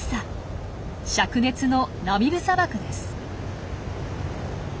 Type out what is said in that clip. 灼熱のナミブ砂漠です。